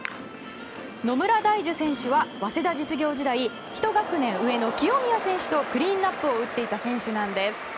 野村大樹選手は早稲田実業時代ひと学年上の清宮選手とクリーンナップを打っていた選手なんです。